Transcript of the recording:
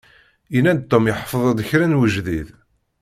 Yenna-d Tom iḥfeḍ-d kra n wejdid.